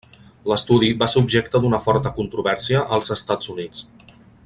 L'estudi va ser objecte d'una forta controvèrsia als Estats Units.